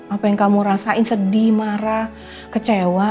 apa yang kamu rasain sedih marah kecewa